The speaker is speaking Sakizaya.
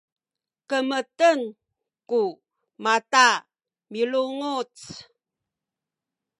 kemeten ku mata milunguc